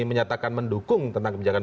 menyatakan mendukung tentang kebijakan